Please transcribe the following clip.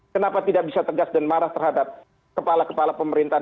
kenapa tidak bisa tegas dan marah terhadap kepala kepala pemerintahan